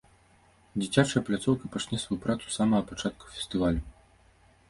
Дзіцячая пляцоўка пачне сваю працу з самага пачатку фестывалю.